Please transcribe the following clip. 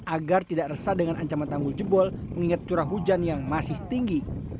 agar tidak resah dengan ancaman tanggul jebol mengingat curah hujan yang masih tinggi